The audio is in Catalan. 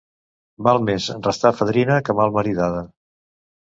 Val més restar fadrina que mal maridada.